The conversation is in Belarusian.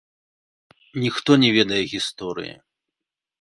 Ніхто не ведае гісторыі.